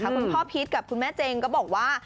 คุณพ่อพีชกับคุณแม่เจงก็บอกว่า